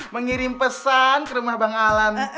mengirim pesan ke rumah bang alan